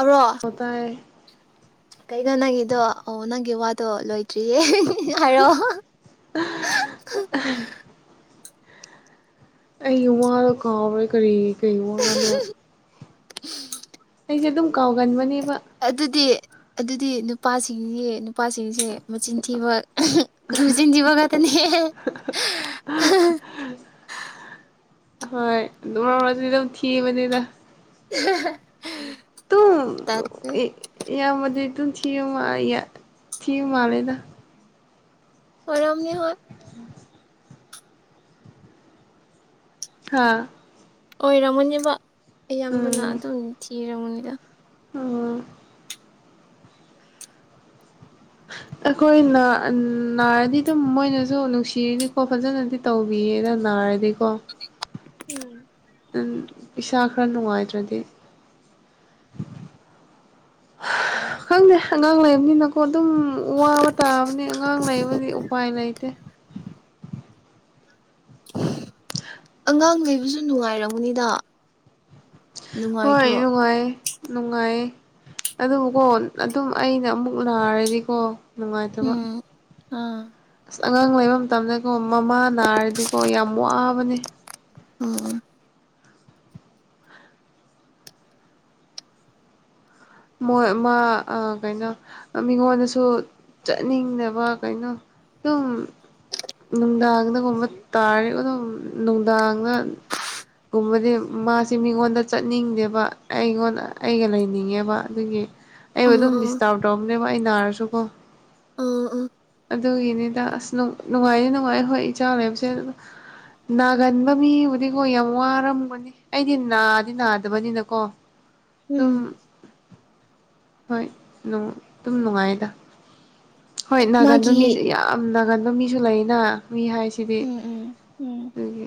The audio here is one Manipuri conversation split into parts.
ꯑꯔꯣ ꯑꯣ ꯇꯥꯏ ꯀꯩꯅꯣ ꯅꯪꯒꯤꯗꯣ ꯑꯣ ꯅꯪꯒꯤ ꯋꯥꯗꯣ ꯂꯣꯏꯗ꯭ꯔꯤꯌꯦ ꯍꯥꯏꯔꯣ ꯑꯩꯒꯤ ꯋꯥꯗꯣ ꯀꯥꯎꯒ꯭ꯔꯦ ꯀꯔꯤ ꯀꯔꯤ ꯋꯥꯅꯣ [inaudible] ꯑꯩꯁꯦ ꯑꯗꯨꯝ ꯀꯥꯎꯒꯟꯕꯅꯦꯕ ꯑꯗꯨꯗꯤ ꯑꯗꯨꯗꯤ ꯅꯨꯄꯥꯁꯤꯡꯁꯦ ꯅꯨꯄꯥꯁꯤꯡꯁꯦ ꯃꯆꯤꯟ ꯊꯤꯕ ꯑꯗꯨ ꯆꯤꯟ ꯊꯤꯕ ꯉꯥꯛꯇꯥꯅꯤꯍꯦ ꯍꯣꯏ ꯑꯗꯨꯝ ꯃꯔꯛ ꯃꯔꯛꯇꯤ ꯑꯗꯨꯝ ꯊꯤꯕꯅꯤꯗ [unintelligible] ꯇꯨꯝ ꯇꯜꯂꯦ ꯏꯌꯥꯝꯕꯗꯤ ꯑꯗꯨꯝ ꯊꯤꯌꯨ ꯊꯤꯌꯨ ꯃꯥꯜꯂꯦꯗ ꯑꯣꯏꯔꯝꯅꯤ ꯍꯣꯏ ꯍꯥꯥ ꯑꯣꯏꯔꯥꯝꯒꯅꯤꯕ ꯏꯌꯥꯝꯕꯅ ꯑꯗꯨꯝ ꯊꯤꯔꯥꯃꯨꯅꯤꯗ ꯎꯨꯝ ꯑꯩꯈꯣꯏ ꯅꯥꯔꯗꯤ ꯑꯗꯨꯝ ꯃꯣꯏꯅꯁꯨ ꯅꯨꯡꯁꯤꯔꯤꯅꯤꯀꯣ ꯐꯖꯅꯗꯤ ꯇꯧꯕꯤꯌꯦꯅ ꯅꯥꯔꯗꯤꯀꯣ ꯎꯝ ꯏꯁꯥ ꯈꯔ ꯅꯨꯡꯉꯥꯏꯇ꯭ꯔꯗꯤ [unintelligible] ꯈꯪꯗꯦ ꯑꯉꯥꯡ ꯂꯩꯕꯅꯤꯅꯀꯣ ꯑꯗꯨꯝ ꯋꯥꯕ ꯇꯥꯕꯅꯤ ꯑꯉꯥꯡ ꯂꯩꯕꯗꯤ ꯎꯄꯥꯏ ꯂꯩꯇꯦ ꯑꯉꯥꯡ ꯂꯩꯕꯁꯨ ꯅꯨꯡꯉꯥꯏꯔꯝꯒꯅꯤꯗ ꯍꯣꯏ ꯅꯨꯡꯉꯥꯏꯇ꯭ꯔꯣ ꯅꯨꯡꯉꯥꯏꯌꯦ ꯅꯨꯡꯉꯥꯏꯌꯦ ꯑꯗꯨꯕꯨꯀꯣ ꯑꯗꯨꯝ ꯑꯩꯅ ꯑꯃꯨꯛ ꯅꯥꯔꯗꯤꯀꯣ ꯅꯨꯡꯉꯥꯏꯇꯕ ꯎꯝ ꯑꯥ ꯑꯁ ꯑꯉꯥꯡ ꯂꯩꯕ ꯃꯇꯝꯗꯀꯣ ꯃꯃꯥ ꯅꯥꯔꯗꯤꯀꯣ ꯌꯥꯝ ꯋꯥꯕꯅꯦ ꯎꯝ ꯃꯣꯏ ꯃꯥ ꯀꯩꯅꯣ ꯃꯤꯉꯣꯟꯗꯁꯨ ꯆꯠꯅꯤꯡꯗꯕ ꯀꯩꯅꯣ ꯇꯨꯝ ꯅꯨꯡꯗꯥꯡꯗꯒꯨꯝꯕ ꯇꯥꯔꯗꯤ ꯑꯗꯨꯝ ꯅꯨꯡꯗꯥꯡꯗ ꯨꯀꯨꯝꯕꯗꯤ ꯃꯥꯁꯦ ꯃꯤꯉꯣꯟꯗ ꯆꯠꯅꯤꯡꯗꯦꯕ ꯑꯩꯉꯣꯟꯗ ꯑꯩꯒ ꯂꯩꯅꯤꯡꯉꯦꯕ ꯑꯗꯨꯒꯤ ꯑꯥ ꯑꯩꯕꯨ ꯑꯗꯨꯝ ꯑꯥ ꯗꯤꯁꯇꯥꯔꯕ ꯇꯧꯕꯅꯦꯕ ꯑꯩ ꯅꯥꯔꯁꯨꯀꯣ ꯑꯥ ꯑꯥ ꯑꯗꯨꯒꯤꯅꯤꯗ ꯑꯁ ꯅꯨꯡꯉꯥꯏꯅꯤ ꯅꯨꯡꯉꯥꯏ ꯍꯣꯏ ꯏꯆꯥꯅꯦꯕꯁꯦ ꯑꯗꯨ ꯅꯥꯒꯟꯕ ꯃꯤꯕꯨꯗꯤꯀꯣ ꯌꯥꯝ ꯋꯥꯔꯝꯒꯅꯤ ꯑꯩꯗꯤ ꯅꯥꯗꯤ ꯅꯥꯗꯕꯅꯤꯅꯀꯣ ꯎꯝ ꯑꯗꯨꯝ ꯍꯣꯏ ꯑꯗꯨꯝ ꯅꯨꯡꯉꯥꯏꯗ ꯍꯣꯏ ꯅꯥꯒꯟꯕ ꯃꯥꯒꯤ ꯃꯤꯁꯦ ꯌꯥꯝ ꯅꯥꯒꯟ ꯑꯗꯣ ꯃꯤꯁꯨ ꯂꯩꯅ ꯃꯤ ꯍꯥꯏꯁꯤꯗꯤ ꯎꯝ ꯎꯝ ꯎꯝ ꯑꯗꯨꯒꯤ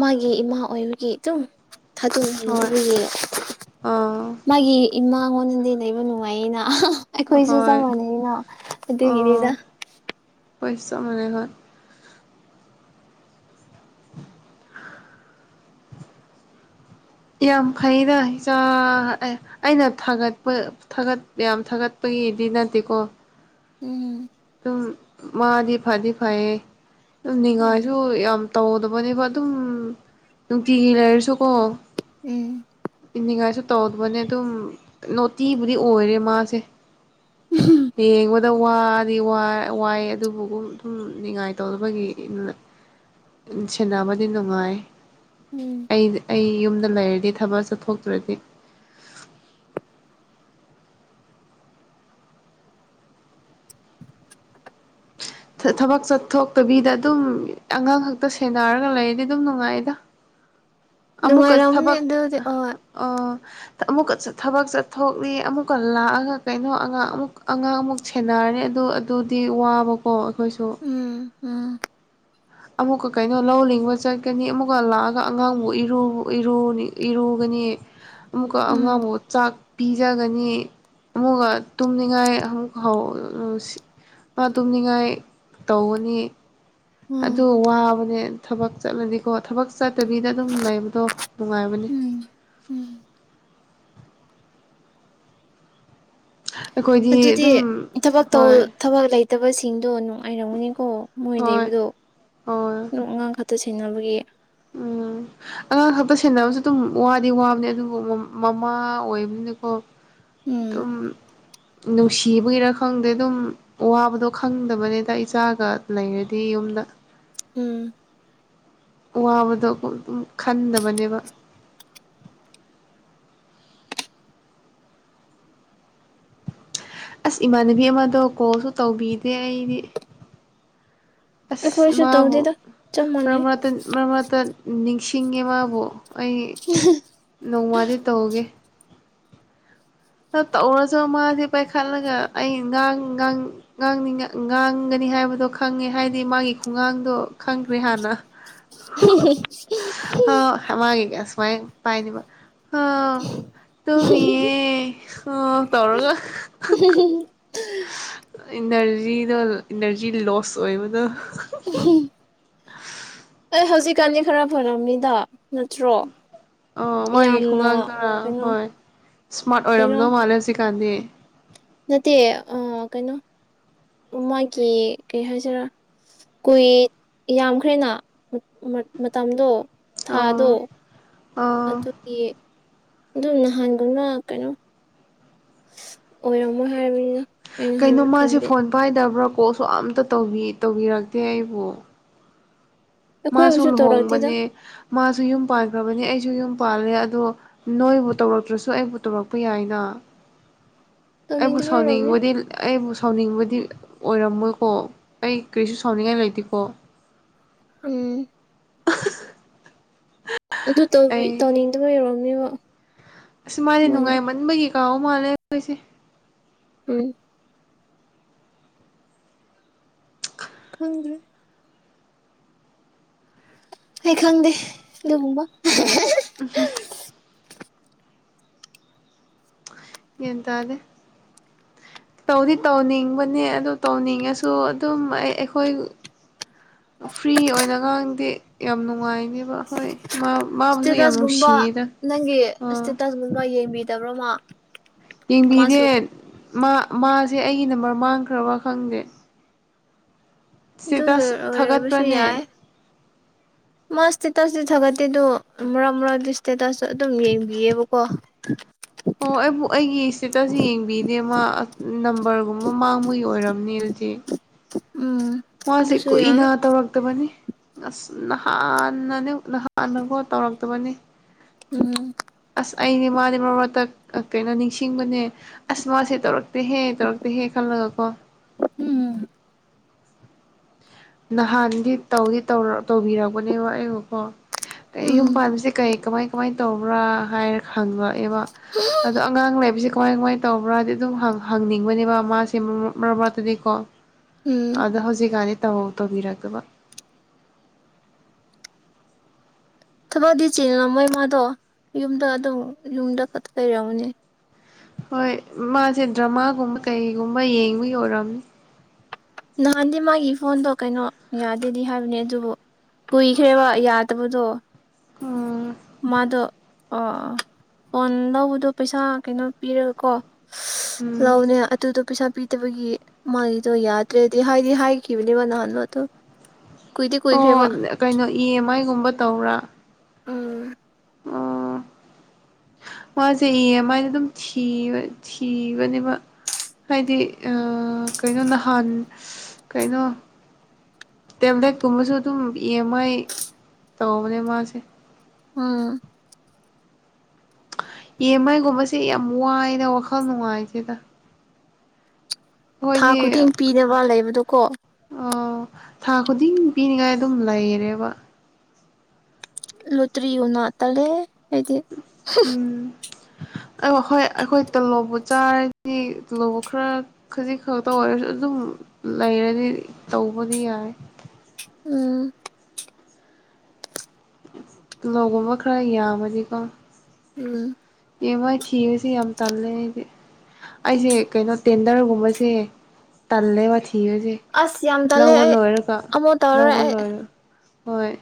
ꯃꯥꯒꯤ ꯏꯃꯥ ꯑꯣꯏꯕꯒꯤ ꯑꯗꯨꯝ ꯊꯥꯇꯣꯛꯒꯤ ꯍꯣꯏ ꯑꯩꯈꯣꯏꯒꯤ ꯑꯥ ꯃꯥꯒꯤ ꯏꯃꯥꯉꯣꯟꯅꯗꯤ ꯂꯩꯕ ꯅꯨꯡꯉꯥꯏꯅ ꯑꯩꯈꯣꯏꯁꯨ ꯆꯝ ꯍꯣꯏ ꯃꯥꯟꯅꯩꯩꯅ ꯑꯗꯨꯒꯤꯅꯤꯗ ꯆꯥꯞ ꯃꯅꯥꯕ [unintelligible] ꯌꯥꯝ ꯐꯩꯅ ꯑꯩꯅ ꯐꯒꯠꯄ ꯊꯥꯒꯠ ꯌꯥꯝ ꯊꯥꯒꯠꯄꯒꯤꯗꯤ ꯅꯠꯇꯦꯀꯣ ꯎꯝ ꯑꯗꯨꯝ ꯃꯥꯗꯤ ꯐꯗꯤ ꯐꯩꯌꯦ ꯑꯗꯨꯝ ꯎꯝ ꯅꯤꯡꯉꯥꯏꯁꯨ ꯌꯥꯝ ꯇꯧꯗꯕꯅꯦꯕ ꯑꯗꯨꯝ ꯅꯨꯡꯇꯤꯒꯤ ꯂꯩꯔꯁꯨꯀꯣ ꯎꯝ ꯅꯤꯡꯉꯥꯏꯁꯨ ꯇꯧꯗꯕꯅꯦ ꯑꯗꯨꯝ ꯅꯣꯇꯤꯕꯨꯗꯤ ꯑꯣꯏꯔꯦ ꯃꯥꯁꯦ ꯌꯦꯡꯕꯗ ꯋꯥ ꯍꯥꯏꯗꯤ ꯋꯥꯏ ꯑꯗꯨꯕꯨꯒꯨꯝ ꯑꯗꯨꯝ ꯅꯤꯉꯥꯏꯇꯧꯗꯕꯒꯤ ꯎꯝ ꯁꯦꯟꯅꯕꯗꯤ ꯅꯨꯡꯉꯥꯏ ꯎꯝ ꯑꯩ ꯑꯩ ꯌꯨꯝꯗ ꯂꯩꯔꯗꯤ ꯊꯕꯛ ꯆꯠꯊꯣꯛꯇ꯭ꯔꯗꯤ ꯊꯕꯛ ꯆꯠꯊꯣꯛꯇꯕꯤꯗ ꯑꯗꯨꯝ ꯑꯉꯥꯡ ꯈꯛꯇ ꯁꯦꯟꯅꯔꯒ ꯂꯩꯔꯗꯤ ꯑꯗꯨꯝ ꯅꯨꯡꯉꯥꯏꯗ ꯑꯃꯨꯛꯀ ꯅꯨꯡꯉꯥꯏꯔꯝꯅꯤ ꯊꯕꯛ ꯑꯗꯨꯗꯤ ꯍꯣꯏ ꯑꯣ ꯑꯃꯨꯛꯀ ꯊꯕꯛ ꯆꯠꯊꯣꯛꯂꯤ ꯑꯃꯨꯛꯀ ꯂꯥꯛꯑꯒ ꯀꯩꯅꯣ ꯑꯉꯥꯡ ꯑꯃꯨꯛ ꯑꯉꯥꯡ ꯑꯃꯨꯛ ꯁꯦꯟꯅꯔꯅꯤ ꯑꯗꯨ ꯑꯗꯨꯗꯤ ꯋꯥꯕꯀꯣ ꯑꯩꯈꯣꯏꯁꯨ ꯎꯝ ꯎꯝ ꯑꯃꯨꯛꯀ ꯀꯩꯅꯣ ꯂꯧ ꯂꯤꯡꯕ ꯆꯠꯀꯅꯤ ꯑꯃꯨꯛꯀ ꯂꯥꯛꯑꯒ ꯑꯉꯥꯡꯕꯨ ꯏꯔꯨꯒꯅꯤ [unintelligible] [inaudible] ꯑꯃꯨꯀ ꯎꯝ ꯑꯉꯥꯡ ꯑꯃꯨ ꯆꯥꯛ ꯄꯤꯖꯒꯅꯤ ꯑꯃꯨꯛꯒ ꯇꯨꯝꯅꯤꯡꯉꯥꯏ ꯑꯃꯨꯛ ꯍꯧ ꯃꯥ ꯇꯨꯝꯅꯤꯡꯉꯥꯏ ꯇꯧꯒꯅꯤ ꯑꯗꯨ ꯎꯝ ꯋꯥꯕꯅꯦ ꯊꯕꯛ ꯆꯠꯂꯗꯤꯀꯣ ꯊꯕꯛ ꯆꯠꯇꯕꯤꯗ ꯑꯗꯨꯝ ꯂꯩꯕꯗꯣ ꯅꯨꯡꯉꯥꯏꯕꯅꯦ ꯎꯝ ꯎꯝ ꯑꯩꯈꯣꯏꯗꯤ ꯑꯗꯨꯗꯤ ꯑꯗꯨꯝ ꯊꯕꯛ ꯇꯧ ꯍꯣꯏ ꯊꯕꯛ ꯂꯩꯇꯕꯁꯤꯡꯗꯣ ꯅꯨꯡꯉꯥꯏꯔꯝꯒꯅꯤꯀꯣ ꯃꯣꯏ ꯍꯣꯏ ꯂꯩꯕꯗꯣ ꯍꯣꯏ ꯑꯗꯨꯝ ꯑꯉꯥꯡ ꯈꯛꯇ ꯁꯦꯟꯅꯕꯒꯤ ꯎꯝ ꯑꯉꯥꯡ ꯈꯛꯇ ꯁꯦꯟꯅꯕꯁꯨ ꯑꯗꯨꯝ ꯋꯥꯗꯤ ꯋꯥꯕꯅꯦ ꯑꯗꯨꯕꯨ ꯃꯃꯥ ꯑꯣꯏꯕꯅꯤꯅꯀꯣ ꯎꯝ ꯑꯗꯨꯝ ꯅꯨꯡꯁꯤꯕꯒꯤꯔꯥ ꯈꯪꯗꯦ ꯑꯗꯨꯝ ꯋꯥꯕꯗꯣ ꯈꯪꯗꯕꯅꯦꯗ ꯏꯆꯥꯒ ꯂꯩꯔꯗꯤ ꯌꯨꯝꯗ ꯎꯝ ꯋꯥꯕꯗꯣ ꯑꯗꯨꯝ ꯈꯟꯗꯕꯅꯦꯕ ꯑꯁ ꯏꯃꯥꯟꯅꯕꯤ ꯑꯃꯗꯣ ꯀꯣꯜꯁꯨ ꯇꯧꯕꯤꯗꯦ ꯑꯩꯗꯤ ꯑꯁ ꯑꯩꯈꯣꯏꯁꯨ ꯃꯥꯕꯨ ꯇꯧꯗꯦꯗ ꯆꯞ ꯃꯥꯟꯅꯩ ꯃꯔꯇꯟ ꯃꯔꯃꯇꯟ ꯅꯤꯡꯁꯤꯡꯉꯦ ꯃꯥꯕꯨ ꯑꯩ ꯅꯣꯡꯃꯗꯤ ꯇꯧꯒꯦ ꯇ ꯇꯧꯔꯁꯨ ꯃꯥꯁꯦ ꯄꯥꯏꯈꯠꯂꯒ ꯑꯩ ꯉꯥꯡꯥꯡ ꯉꯥꯡꯅꯤ ꯉꯥꯡꯒꯅꯤ ꯍꯥꯏꯕꯗꯣ ꯈꯪꯉꯦ ꯍꯥꯏꯗꯤ ꯃꯥꯒꯤ ꯈꯨꯡꯒꯥꯡꯗꯣ ꯈꯪꯈ꯭ꯔꯦ ꯍꯥꯟꯅ [unintelligible] ꯍꯃꯥꯦꯒ ꯁꯃꯥꯏ ꯄꯥꯏꯗꯕ ꯍ ꯇꯃꯤ ꯑꯣ ꯇꯧꯔꯒ ꯏꯟꯅꯔꯖꯤꯗꯣ ꯏꯅꯔꯖꯤ ꯂꯣꯁ ꯑꯣꯏꯕꯗꯣ ꯎ ꯑꯩ ꯍꯧꯖꯤꯛꯀꯥꯟꯗꯤ ꯈꯔ ꯐꯔꯝꯅꯤꯗ ꯅꯠꯇ꯭ꯔꯣ ꯑꯣ ꯃꯥꯒꯤ ꯌꯥꯝꯅ ꯈꯨꯉꯥꯡꯗꯨꯔꯥ ꯀꯩꯅꯣ ꯍꯣꯏ ꯏꯁ꯭ꯃꯥꯔꯠ ꯀꯩꯅꯣ ꯑꯣꯏꯔꯝꯗꯧ ꯃꯥꯜꯂꯦ ꯍꯧꯖꯤꯛ ꯀꯥꯟꯗꯤ ꯅꯠꯇꯦ ꯑ ꯀꯩꯅꯣ ꯃꯥꯒꯤ ꯀꯩ ꯍꯥꯏꯁꯤꯔꯥ ꯀꯨꯏ ꯌꯥꯝꯈ꯭ꯔꯦꯅ ꯃꯇꯝꯗꯣ ꯊꯥꯗꯣ ꯑꯣ ꯑꯣ ꯑꯗꯨꯒꯤ ꯑꯗꯨꯝ ꯅꯍꯥꯟꯒꯨꯝꯅ ꯀꯩꯅꯣ ꯑꯣꯏꯔꯣꯝꯃꯣꯏ ꯍꯥꯏꯔꯔꯕꯅꯤꯅ ꯀꯩꯅꯣ ꯃꯥꯁꯦ ꯐꯣꯟ ꯄꯥꯏꯗꯕ꯭ꯔꯥ ꯀꯣꯜꯁꯨ ꯑꯝꯇ ꯇꯧꯕꯤꯔꯛꯇꯦ ꯑꯩꯕꯨ ꯃꯥꯁꯨ ꯑꯩꯈꯣꯏꯕꯨꯁꯨ ꯇꯧꯔꯛꯇꯦꯗ ꯂꯨꯍꯣꯡꯕꯅꯦ ꯃꯥꯁꯨ ꯌꯨꯝ ꯄꯥꯟꯈ꯭ꯔꯕꯅꯦ ꯑꯩꯁꯨ ꯌꯨꯝ ꯄꯥꯜꯂꯦ ꯑꯗꯣ ꯅꯣꯏꯕꯨ ꯇꯧꯔꯛꯇ꯭ꯔꯁꯨ ꯑꯩꯕꯨ ꯇꯧꯔꯛꯄ ꯌꯥꯏꯅ [inaudible] ꯑꯩꯕꯨ ꯑꯣꯏꯔꯝꯅꯤ ꯁꯥꯎꯅꯤꯡꯕꯨꯗꯤ ꯑꯩꯕꯨ ꯁꯥꯎꯅꯤꯡꯕꯗꯤ ꯑꯣꯏꯔꯝꯃꯣꯏꯀꯣ ꯑꯩ ꯀꯔꯤꯁꯨ ꯁꯥꯎꯅꯤꯡꯉꯥꯏ ꯂꯩꯇꯦꯀꯣ ꯑꯝ [inaudible] ꯑꯗꯨ ꯑꯩ ꯇꯧꯅꯤꯡꯗꯕꯩ ꯑꯣꯏꯔꯝꯅꯦꯕ ꯁꯨꯃꯥꯏꯅ ꯃꯥꯅ ꯅꯨꯡꯉꯥꯏꯃꯟꯕꯒꯤ ꯀꯥꯎ ꯃꯥꯜꯂꯦ ꯑꯣꯏꯁꯦ ꯎꯝ ꯈꯗ꯭ꯔꯦ ꯑꯩ ꯈꯪꯗꯦ ꯂꯨꯡꯕ ꯎꯝ ꯌꯦꯗꯗꯦ ꯇꯧꯗꯤ ꯇꯧꯅꯤꯡꯕꯅꯦ ꯑꯗꯨ ꯇꯧꯅꯤꯡꯉꯁꯨ ꯑꯗꯨꯝ ꯑꯩ ꯑꯩꯈꯣꯏ ꯐ꯭ꯔꯤ ꯑꯣꯏꯅꯒꯥꯡꯗꯤꯦ ꯌꯥꯝ ꯅꯨꯡꯉꯥꯏꯅꯦꯕ ꯍꯣꯏ ꯃꯥ ꯃꯥꯕꯨꯁꯨ ꯌꯥꯝ ꯏꯁꯇꯦꯇꯁꯒꯨꯝꯕ ꯅꯨꯡꯁꯤꯌꯦꯗ ꯅꯪꯒꯤ ꯑꯥ ꯏꯁꯇꯦꯇꯁꯒꯨꯝꯕ ꯌꯦꯡꯕꯤꯗꯕ꯭ꯔꯃ ꯌꯦꯡꯕꯤꯔꯦ ꯃꯥ ꯃꯥꯁꯦ ꯑꯩꯒꯤ ꯅꯝꯕꯔ ꯃꯥꯡꯈ꯭ꯔꯕ ꯈꯪꯗꯦ ꯑꯗꯨꯒꯤ ꯁ꯭ꯇꯦꯇꯁ ꯑꯣꯏꯔꯕꯁꯨ ꯊꯥꯒꯠꯄ꯭ꯔꯅꯦ ꯌꯥꯏ ꯃꯥ ꯏꯁꯇꯦꯇꯁꯇꯤ ꯊꯥꯒꯠꯠꯇꯦꯗꯣ ꯃꯔꯛ ꯃꯔꯛꯗꯤ ꯏꯁꯇꯦꯇꯁ ꯑꯗꯨꯝ ꯌꯦꯡꯕꯤꯌꯦꯕꯀꯣ ꯑꯣ ꯑꯩꯕꯨ ꯑꯩꯒꯤ ꯏꯁꯇꯦꯇꯁ ꯌꯦꯡꯕꯤꯗꯦ ꯃꯥ ꯅꯝꯕꯔꯒꯨꯝꯕ ꯃꯥꯡꯕꯒꯤ ꯑꯣꯏꯔꯕꯝꯅꯦ ꯑꯗꯨꯗꯤ ꯎꯝ ꯃꯥꯁꯦ ꯑꯗꯨꯁꯨ ꯌꯥꯏ ꯀꯨꯏꯅ ꯇꯧꯔꯛ ꯕꯅꯤ ꯑꯁ ꯅꯍꯥꯟꯅꯤ ꯅꯍꯥꯟꯅꯒꯣ ꯇꯧꯔꯛꯇꯕꯅꯤ ꯎꯝ ꯑꯁ ꯑꯩꯅꯦ ꯃꯥꯅꯦ ꯃꯔꯠꯇ ꯀꯩꯅꯣ ꯅꯤꯡꯁꯤꯡꯕꯅꯦ ꯑꯁ ꯃꯥꯁꯦ ꯇꯧꯔꯛꯇꯦꯍꯦ ꯇꯧꯔꯛꯇꯦꯍꯦ ꯈꯜꯂꯒ ꯀꯣ ꯎꯝ ꯅꯍꯥꯟꯗꯤ ꯇꯧꯗꯤ ꯇꯧꯕꯤꯔꯛꯄꯅꯦꯕ ꯑꯩꯕꯨꯀꯣ ꯌꯨꯝ ꯎꯝ ꯄꯥꯟꯕꯁꯦ ꯀꯩ ꯀꯃꯥꯏ ꯀꯃꯥꯏꯅ ꯇꯧꯕ꯭ꯔꯥ ꯍꯥꯏꯔ ꯈꯟꯕꯛꯑꯦꯕ ꯑꯗꯣ ꯑꯉꯥꯡ ꯂꯩꯕꯁꯤꯦ ꯀꯃꯥꯏ ꯀꯃꯥꯏ ꯇꯧꯕ꯭ꯔꯥꯗꯤ ꯑꯗꯨꯝ ꯍꯪꯅꯤꯡꯕꯅꯦꯕ ꯃꯥꯁꯦ ꯃꯔ ꯃꯔꯛ ꯃꯔꯛꯇꯗꯤꯀꯣ ꯎꯝ ꯑꯗ ꯍꯧꯖꯤꯛꯀꯥꯟꯗꯤ ꯇ ꯇꯧꯕꯤꯔꯛꯇꯕ ꯊꯕꯛꯗꯤ ꯆꯦꯗꯅ ꯃꯣꯏ ꯃꯥꯗꯣ ꯌꯨꯝꯗ ꯑꯗꯨꯝ ꯌꯨꯝꯗ ꯈ ꯂꯩꯔꯝꯃꯅꯤ ꯍꯣꯏ ꯃꯥꯁꯦ ꯗ꯭ꯔꯃꯥꯒꯨꯝꯕ ꯀꯩꯒꯨꯝꯕ ꯌꯦꯡꯕ ꯌ ꯑꯣꯏꯔꯝꯅꯤ ꯅꯍꯥꯟꯗꯤ ꯃꯥꯒꯤ ꯐꯣꯟꯗꯣ ꯀꯩꯅꯣ ꯌꯥꯗꯦꯗꯤ ꯍꯥꯏꯕꯅꯦ ꯑꯗꯨꯕꯨ ꯀꯨꯏꯈ꯭ꯔꯦꯕ ꯌꯥꯗꯕꯗꯣ ꯎꯝ ꯃꯥꯗꯣ ꯑꯣ ꯐꯣꯟ ꯂꯧꯕꯗꯣ ꯄꯩꯁꯥ ꯀꯩꯅꯣ ꯄꯤꯔꯒꯀꯣ ꯎꯝ ꯂꯥꯎꯅꯦ ꯑꯗꯨꯗꯣ ꯄꯩꯁꯥ ꯄꯤꯗꯕꯒꯤ ꯃꯥꯒꯤꯗꯣ ꯌꯥꯗ ꯠꯇ꯭ꯔꯦꯗꯤ ꯍꯥꯏꯗꯤ ꯍꯥꯏꯈꯤꯕꯅꯦꯕ ꯅꯍꯥꯟꯂꯣ ꯑꯗꯨꯣ ꯀꯨꯏꯗꯤ ꯑꯣ ꯀꯨꯏꯈ꯭ꯔꯦꯕ ꯀꯩꯅꯣ ꯏ ꯑꯦꯝ ꯑꯥꯏꯒꯨꯝꯕ ꯇꯧꯔꯥ ꯎꯝ [unintelligible] ꯃꯥꯁꯦ ꯏ ꯃꯥꯥꯏꯅ ꯑꯗꯨꯝ ꯊꯤꯕꯅꯦꯕ ꯍꯥꯏꯗꯤ ꯀꯩꯅꯣ ꯅꯍꯥꯟ ꯀꯩꯅꯣ ꯇꯦꯕ꯭ꯂꯦꯠꯀꯨꯝꯕꯁꯨ ꯑꯗꯨꯝ ꯏꯦꯝ ꯑꯥꯏ ꯇꯧꯕꯅꯦ ꯃꯥꯁꯦ ꯎ ꯌꯦꯟꯃꯥꯏꯒꯨꯝꯕꯕꯁꯤꯦ ꯌꯥꯝ ꯋꯥꯏꯅ ꯋꯥꯈꯜ ꯅꯨꯡꯉꯥꯏꯁꯤꯗ ꯊꯥ ꯍꯣꯏꯅꯦ ꯈꯨꯗꯤꯡ ꯄꯤꯅꯕ ꯂꯩꯕꯗꯣꯀꯣ ꯑꯣ ꯊꯥ ꯈꯨꯗꯤꯡ ꯄꯤꯅꯤꯡꯉꯥꯏ ꯑꯗꯨꯝ ꯂꯩꯔꯦꯕ ꯂꯨꯇꯔꯤ ꯌꯅ ꯇꯔꯦ ꯎꯝ ꯑ ꯍꯣꯏ ꯑꯩꯈꯣꯏ ꯇꯜꯂꯣꯕꯨ ꯆꯥꯔꯗꯤ ꯇꯜꯂꯣꯕ ꯈꯔ ꯈꯖꯤꯛ ꯈꯛꯇ ꯑꯣꯏꯔꯁꯨ ꯑꯗꯨꯝ ꯂꯩꯔꯅꯤ ꯇꯧꯕꯗꯤ ꯌꯥꯏ ꯎꯝ ꯇꯤꯜꯍꯧꯒꯨꯝꯕ ꯈꯔ ꯌꯥꯝꯃꯗꯤꯀꯣ ꯎꯝ ꯏ ꯃꯥꯏ ꯊꯤꯔꯨꯁꯤ ꯌꯥꯝ ꯇꯜꯂꯦ ꯑꯩꯗꯤ ꯑꯩꯁꯦ ꯀꯩꯅꯣ ꯇꯦꯟꯗꯔꯒꯨꯝꯕꯁꯦ ꯇꯜꯂꯦ ꯋꯥꯊꯤꯔꯁꯦ ꯑꯁ ꯌꯥꯝ ꯇꯜꯂꯦ ꯂꯧꯕ ꯑꯩ ꯂꯣꯏꯔ ꯀꯣ ꯑꯃꯨꯛ ꯇꯧꯔꯔꯣꯏ ꯂꯧꯕ ꯑꯩ ꯂꯣꯏꯔꯣ ꯍꯣꯏ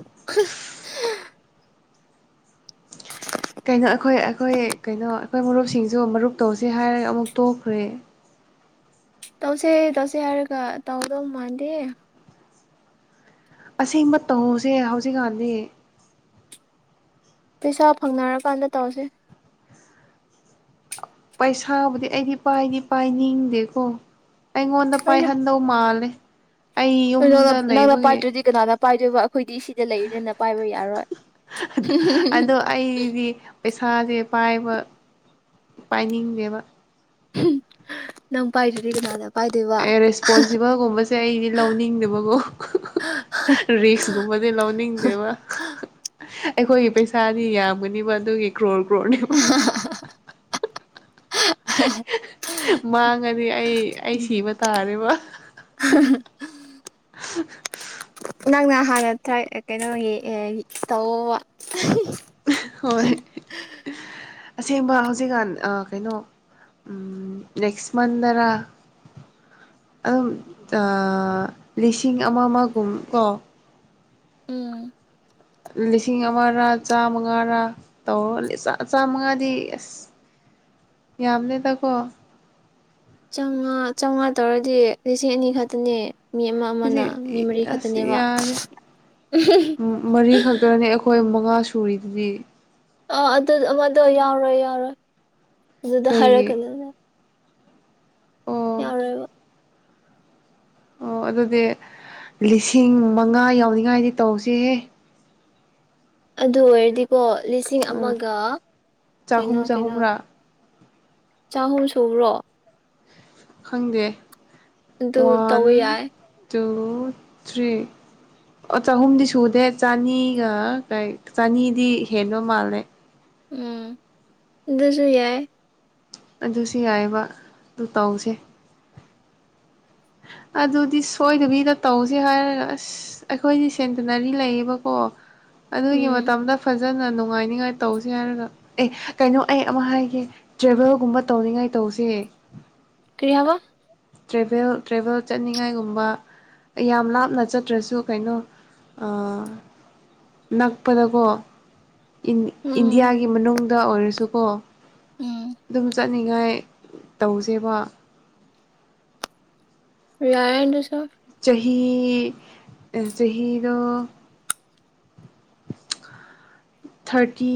[unintelligible] [inaudible] ꯀꯩꯅꯣ ꯑꯩꯈꯣꯏ ꯑꯩꯈꯣꯏ ꯀꯩꯅꯣ ꯑꯩꯈꯣꯏ ꯃꯔꯨꯞꯁꯤꯡꯁꯨ ꯃꯔꯨꯞ ꯇꯧꯁꯤꯦ ꯍꯥꯏꯔꯒ ꯑꯃꯨꯛ ꯇꯣꯛꯈ꯭ꯔꯦ ꯇꯧꯁꯦ ꯇꯁꯦ ꯍꯥꯏꯔꯒ ꯇꯧꯗꯧ ꯃꯥꯗꯤꯦ ꯑꯁꯦꯡꯕ ꯇꯧꯍꯁꯦ ꯍꯧꯖꯤꯛꯀꯥꯟꯗꯤ ꯄꯩꯁꯥ ꯐꯪꯅꯔꯀꯥꯟꯗ ꯇꯧꯁꯦ ꯄꯩꯁꯥꯕꯨꯗꯤ ꯑꯩꯗꯤ ꯄꯥꯏꯗꯤ ꯄꯥꯏꯅꯤꯡꯗꯦꯀꯣ ꯑꯩꯉꯣꯟꯗ ꯑꯩꯁꯨ ꯄꯥꯏꯍꯟꯕ ꯗꯧ ꯃꯥꯜꯂꯦ ꯑꯩ ꯅꯪꯅ ꯌꯨꯝꯗ ꯅꯪꯅ ꯂꯩꯕꯒꯤ ꯄꯥꯏꯗ꯭ꯔꯗꯤ ꯀꯅꯥꯅ ꯄꯥꯏꯗꯣꯏꯕ ꯑꯩꯈꯣꯏꯗꯤ ꯁꯤꯗ ꯂꯩꯔꯤꯔꯦꯅ ꯄꯥꯏꯕ ꯌꯥꯔꯣꯏ ꯑꯗꯣ ꯑꯩꯗꯤ ꯄꯩꯁꯥꯁꯦ ꯄꯥꯏꯕ ꯄꯥꯏꯅꯤꯡꯗꯦꯕ ꯅꯪ ꯄꯥꯏꯗꯗꯤ ꯀꯅꯥꯗ ꯑꯦ ꯔꯦꯁꯄꯣꯟꯁꯤꯕꯜꯒꯨꯝꯕꯁꯦ ꯑꯩꯗꯤ ꯂꯧꯅꯤꯡꯗꯕꯀꯣ ꯔꯤꯛꯁ ꯁꯤꯒꯨꯝꯕꯗꯤ ꯂꯧꯅꯤꯡꯗꯦꯕ ꯑꯩꯈꯣꯏꯒꯤ ꯄꯩꯁꯥꯗꯤ ꯌꯥꯝꯒꯅꯤꯕ ꯑꯗꯨꯒꯤ ꯀ꯭ꯔꯣꯔ ꯀ꯭ꯔꯣꯔꯅꯦꯕ [unintelligible] ꯃꯥꯡꯉꯗꯤ ꯑꯩ ꯑꯩ ꯁꯤꯕ ꯇꯥꯔꯦꯕ ꯅꯪꯅ ꯍꯥꯟꯅ ꯀꯩꯅꯣꯒꯤ ꯇꯧ ꯍꯣꯏ ꯑꯁꯦꯡꯕ ꯍꯧꯖꯤꯛꯀꯥꯟ ꯀꯩꯅꯣ ꯅꯦꯛꯦꯛꯁ ꯃꯟꯔ ꯑꯗꯨꯝ ꯂꯤꯁꯤꯡ ꯑꯃ ꯑꯃꯒꯨꯝ ꯀꯣ ꯎꯝ ꯂꯤꯁꯤꯡ ꯑꯃꯔꯥ ꯆꯥꯃꯉꯥꯔꯥ ꯇꯧꯔꯒ ꯆꯥꯝꯃꯉꯥꯗꯤ ꯑꯁ ꯌꯥꯝꯅꯦꯗꯀꯣ ꯆꯥꯝꯃꯉꯥ ꯆꯥꯝꯃꯉꯥ ꯇꯧꯔꯗꯤ ꯂꯤꯁꯤꯡ ꯑꯅꯤ ꯈꯛꯇꯅꯦ ꯃꯤ ꯑꯃ ꯏꯁꯦ ꯑꯃꯅ ꯃꯤ ꯃꯔꯤ ꯑꯁ ꯈꯛꯇꯅꯦꯕ ꯌꯥꯔꯦ ꯃꯔꯤꯈꯛꯇꯅꯅꯦ ꯑꯩꯈꯣꯏ ꯑꯩꯈꯣꯏ ꯃꯉꯥ ꯁꯨꯔꯤꯗꯨꯗꯤ ꯑꯥ ꯑꯗꯨ ꯑꯃꯗꯣ ꯌꯥꯎꯔꯣꯏ ꯌꯥꯎꯔꯣꯏ ꯑꯗꯨꯗ ꯀꯩꯒꯤ ꯍꯥꯏꯔꯛꯀꯅꯤꯅꯦ ꯑꯣ ꯌꯥꯎꯔ ꯑꯣ ꯑꯗꯨꯗꯤ ꯂꯤꯁꯤꯡ ꯃꯉꯥ ꯌꯥꯎꯅꯤꯡꯉꯥꯏꯗꯤ ꯇꯧꯁꯤꯦꯍꯦ ꯑꯗꯨ ꯑꯣꯏꯔꯗꯤꯀꯣ ꯂꯤꯁꯤꯡ ꯎꯝ ꯑꯃꯒ ꯀꯩꯅꯣ ꯆꯍꯨꯝ ꯀꯩꯅꯣ ꯆꯍꯨꯝꯔꯥ ꯆꯍꯨꯝ ꯁꯨꯕ꯭ꯔꯣ ꯈꯪꯗꯦ ꯑꯗꯨ ꯋꯥꯟ ꯇꯧꯕ ꯌꯥꯏ ꯇꯨ ꯊ꯭ꯔꯤ ꯑꯣ ꯆꯍꯨꯝꯗꯤ ꯁꯨꯗꯦ ꯆꯅꯤꯒ ꯀꯩ ꯆꯅꯤꯗꯤ ꯍꯦꯟꯕ ꯃꯥꯜꯂꯦ ꯎꯝ ꯑꯗꯨꯁꯨ ꯌꯥꯏ ꯑꯗꯨꯁꯨ ꯌꯥꯏꯕ ꯑꯗꯨ ꯇꯧꯁꯦ ꯑꯗꯨꯗꯤ ꯁꯣꯏꯗꯕꯤꯗ ꯇꯧꯁꯦ ꯍꯥꯏꯔꯒ ꯑꯁ ꯑꯩꯈꯣꯏꯗꯤ ꯁꯦꯟꯇꯤꯅꯔꯤ ꯂꯩꯌꯦꯕꯀꯣ ꯑꯗꯨꯒꯤ ꯎꯝ ꯃꯇꯝꯗ ꯐꯖꯅ ꯅꯨꯡꯉꯥꯏꯅꯤꯉꯥꯏ ꯇꯧꯁꯤ ꯍꯥꯏꯔꯒ ꯑꯦ ꯀꯩꯅꯣ ꯑꯩ ꯑꯃ ꯍꯥꯏꯒꯦ ꯇ꯭ꯔꯦꯚꯦꯜꯒꯨꯝꯕ ꯇꯧꯅꯤꯡꯉꯥꯏ ꯇꯧꯁꯦ ꯀꯔꯤ ꯍꯥꯏꯕ ꯇ꯭ꯔꯦꯕꯦꯜ ꯇ꯭ꯔꯦꯕꯦꯜ ꯆꯠꯅꯤꯡꯉꯥꯏꯒꯨꯝꯕ ꯌꯥꯝ ꯂꯥꯞꯅ ꯆꯠꯇ꯭ꯔꯁꯨ ꯀꯩꯅꯣ ꯅꯛꯄꯗꯀꯣ ꯎꯝ ꯏꯟꯗꯤꯌꯥꯒꯤ ꯃꯅꯨꯡꯗ ꯑꯣꯏꯔꯁꯨꯀꯣ ꯎꯝ ꯑꯗꯨꯝ ꯆꯠ ꯍꯥꯏꯅꯤꯡꯉꯥꯏ ꯇꯧꯁꯦꯕ ꯌꯥꯗꯨꯁꯨꯣ ꯆꯍꯤ ꯆꯍꯤꯗ [inaudible] ꯊꯥꯔꯇꯤ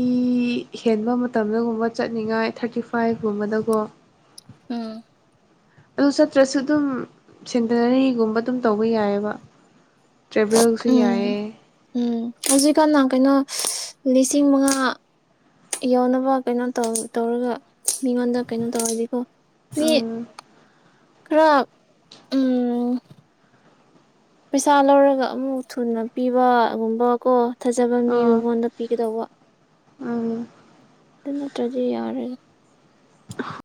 ꯍꯦꯟꯕ ꯃꯇꯝꯗꯒꯨꯝꯕ ꯆꯠꯅꯤꯡꯉꯥꯏ ꯊꯥꯔꯇꯤ ꯐꯥꯏꯚꯀꯨꯝꯕꯗꯀꯣ ꯎꯝ ꯑꯗꯨ ꯆꯠꯇ꯭ꯔꯁꯨ ꯑꯗꯨꯝ ꯁꯦꯟꯇꯅꯔꯤꯒꯨꯝꯕ ꯑꯗꯨꯝ ꯇꯧꯕ ꯌꯥꯏꯑꯕ ꯇ꯭ꯔꯦꯚꯦꯜꯁ ꯍ ꯎꯝ ꯌꯥ ꯎꯝ ꯍꯧꯖꯤꯛꯀꯥꯟꯅ ꯀꯩꯅꯣ ꯂꯤꯁꯤꯡ ꯃꯉꯥ ꯌꯧꯅꯕ ꯀꯩꯅꯣ ꯇꯧ ꯇꯧꯔꯒ ꯃꯤꯉꯣꯟꯗ ꯀꯩꯅꯣ ꯇꯧꯔꯗꯤꯀꯣ ꯃꯤ ꯎꯝ ꯈꯔ ꯎꯝ ꯄꯩꯁꯥ ꯂꯧꯔꯒ ꯑꯃꯨꯛ ꯊꯨꯅ ꯄꯤꯕꯒꯨꯝꯕ ꯀꯣ ꯊꯥꯖꯕ ꯃꯤ ꯑꯥ ꯃꯉꯣꯟꯗ ꯄꯤꯒꯗꯧꯕ ꯎꯝ ꯑꯗꯨ ꯅꯠꯇ꯭ꯔꯗꯤ ꯌꯥꯔꯦ [unintelligible]